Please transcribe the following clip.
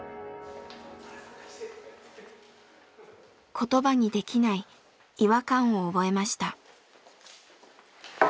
言葉にできない違和感を覚えました。